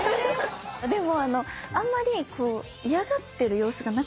でもあんまり嫌がってる様子がなくって。